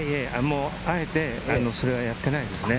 あえてそれはやってないですね。